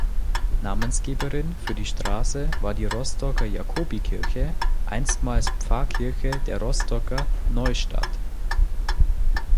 Namensgeberin für die Straße war die Rostocker Jakobikirche, einstmals Pfarrkirche der Rostocker "Neustadt".